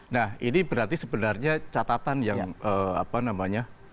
nah ini berarti sebenarnya catatan yang apa namanya